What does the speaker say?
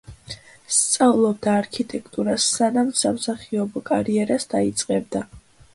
სწავლობდა არქიტექტურას სანამ სამსახიობო კარიერას დაიწყებდა.